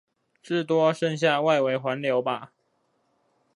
至多剩下外圍環流吧